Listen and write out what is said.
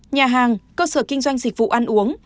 nhà hàng cơ sở kinh doanh dịch vụ ăn uống